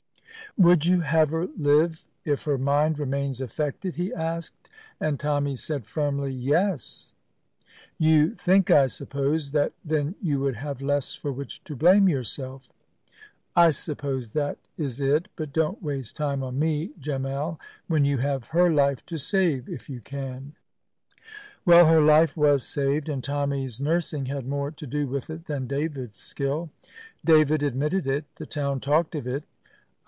"Would you have her live if her mind remains affected?" he asked; and Tommy said firmly, "Yes." "You think, I suppose, that then you would have less for which to blame yourself!" "I suppose that is it. But don't waste time on me, Gemmell, when you have her life to save, if you can." Well, her life was saved, and Tommy's nursing had more to do with it than David's skill. David admitted it; the town talked of it.